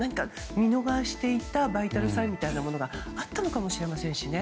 見逃していたバイタルサインみたいなものがあったのかもしれませんしね。